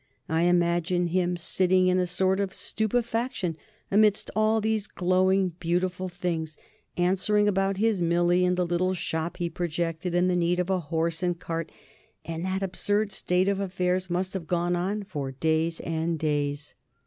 I imagine him sitting in a sort of stupefaction amidst all these glowing beautiful things, answering about his Millie and the little shop he projected and the need of a horse and cart.... And that absurd state of affairs must have gone on for days and days.